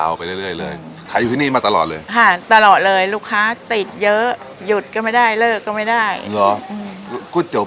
นี่เปิดมากี่ปีแล้วครับเนี่ย